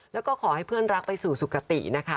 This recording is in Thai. แล้วก็ขอให้เพื่อนรักไปสู่สุขตินะคะ